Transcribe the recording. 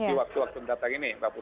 di waktu waktu mendatang ini